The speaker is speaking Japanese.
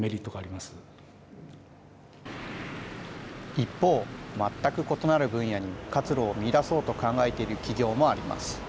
一方、全く異なる分野に活路を生み出そうとする企業もあります。